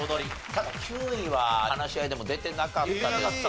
ただ９位は話し合いでも出てなかったですかね。